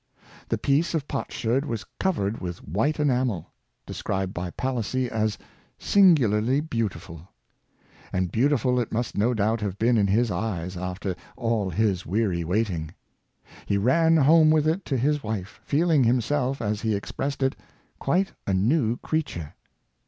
The piece of potsherd was covered with white enamel, de scribed by Palissy as "singularly beautiful!" And beautiful it must no doubt have been in his eyes after all his weary waiting. He ran home with it to his wife, feeling himself, as he expressed it, quite a new creature.